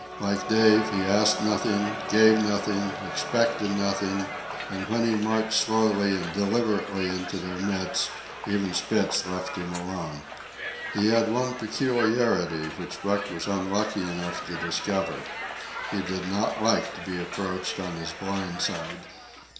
Like Dave, he asked nothing, gave nothing, expected nothing; and when he marched slowly and deliberately into their midst, even Spitz left him alone. He had one peculiarity which Buck was unlucky enough to discover. He did not like to be approached on his blind side.